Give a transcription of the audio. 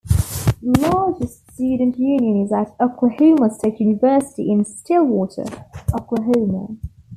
The largest student union is at Oklahoma State University in Stillwater, Oklahoma.